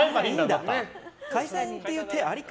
解散って言う手、ありか。